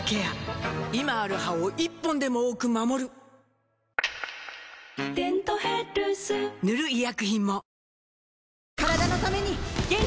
今ある歯を１本でも多く守る「デントヘルス」塗る医薬品も